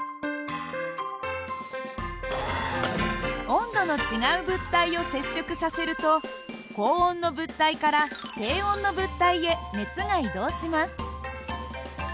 温度の違う物体を接触させると高温の物体から低温の物体へ熱が移動します。